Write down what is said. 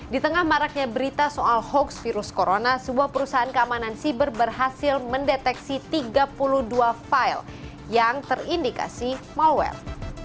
di tengah maraknya berita soal hoax virus corona sebuah perusahaan keamanan siber berhasil mendeteksi tiga puluh dua file yang terindikasi malware